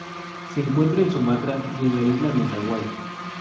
Se encuentra en Sumatra y en la isla Mentawai.